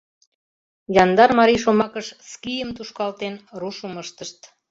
Яндар марий шомакыш «скийым» тушкалтен, рушым ыштышт.